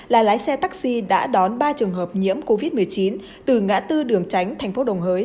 là lái xe taxi đã đón ba trường hợp nhiễm covid một mươi chín từ ngã tư đường tránh thành phố đồng hới